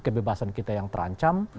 kebebasan kita yang terancam